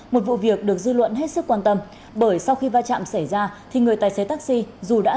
một vụ việc được dư luận hết sức quan tâm bởi sau khi va chạm xảy ra thì người tài xế taxi dù đã